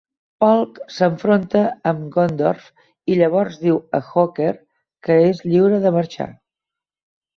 Polk s'enfronta amb Gondorff i llavors diu a Hooker que és lliure de marxar.